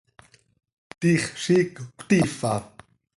¿Tiix ziic cötiifa?